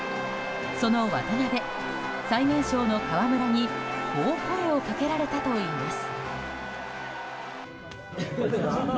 その渡邊、最年少の河村にこう声をかけられたといいます。